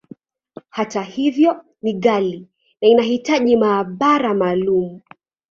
Hata hivyo, ni ghali, na inahitaji maabara maalumu.